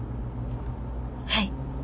はい